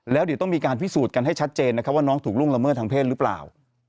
แล้วต้องมีการพิสูจน์ให้ชัดเจนว่าน้องถูกลุ้งระเมิดทางเพศรึเปล่า